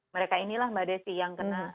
mereka inilah mbak desi yang kena